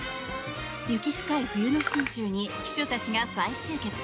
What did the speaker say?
雪深い冬の信州に秘書たちが再集結。